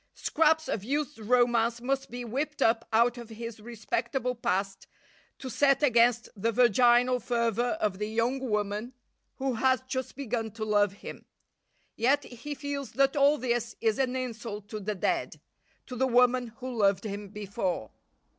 Scraps of used romance must be whipped up out of his respectable past to set against the virginal fervour of the young woman who has just begun to love him. Yet he feels that all this is an insult to the dead to the woman who loved him before.